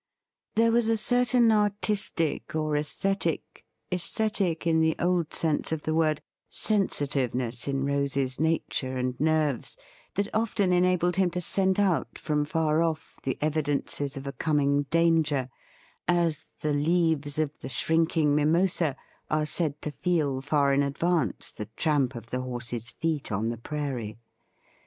There was a certain artistic or aesthetic — aesthetic in the old sense of the word — sensitiveness in Rose's nature and nerves that often enabled him to scent out from far off the evidences of a coming danger as ' the leaves of the shrinking mimosa' are said to feel far in advance the tramp of the horse's feet on the prairie.